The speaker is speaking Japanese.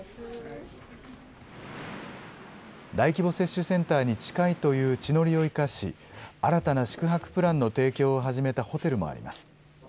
大規模接種センターに近いという地の利を生かし、新たな宿泊プランの提供を始めたホテルもあります。